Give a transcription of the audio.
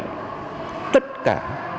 vì tất cả